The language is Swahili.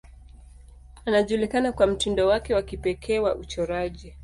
Alijulikana kwa mtindo wake wa kipekee wa uchoraji.